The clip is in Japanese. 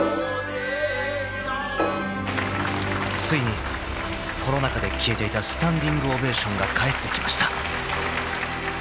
［ついにコロナ禍で消えていたスタンディングオベーションが帰ってきました］